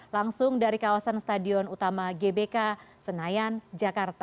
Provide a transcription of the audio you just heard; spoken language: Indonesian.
langsung dari kawasan stadion utama gbk senayan jakarta